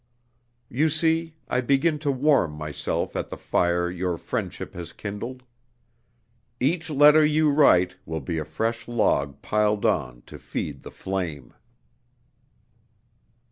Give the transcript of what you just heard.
"You see, I begin to warm myself at the fire your friendship has kindled. Each letter you write will be a fresh log piled on to feed the flame."